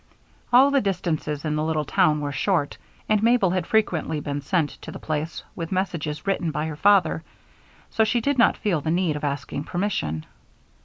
All the distances in the little town were short, and Mabel had frequently been sent to the place with messages written by her father, so she did not feel the need of asking permission.